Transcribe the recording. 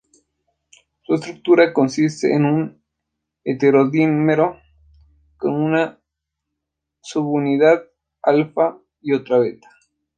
Su estructura consiste en un heterodímero con una subunidad alfa y otra beta.